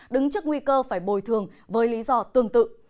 đứng trước nguy cơ phải bồi thường với lý do tương tự